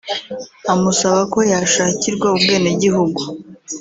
amusaba ko yashakirwa ubwenegihugu